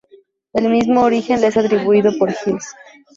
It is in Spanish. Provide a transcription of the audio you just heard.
El mismo origen le es atribuido por Hills.